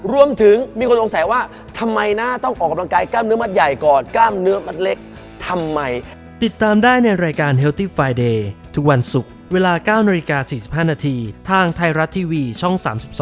รวมถึงมีคนต้องใส่ว่าทำไมต้องกำลังกายกล้ามเนื้อมัดใหญ่ก่อน